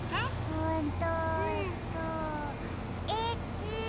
うんとえっとえき！